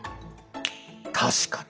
確かに。